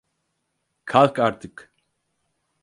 Kalk artık!